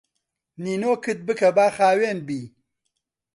نینۆکت بکە با خاوێن بی